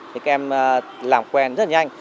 thì các em làm quen rất là nhanh